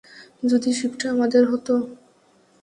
যদি শিপটা আমাদের হতো!